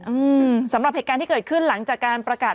อืมสำหรับเหตุการณ์ที่เกิดขึ้นหลังจากการประกาศ